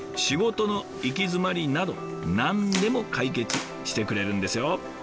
仕事の行き詰まりなど何でも解決してくれるんですよ。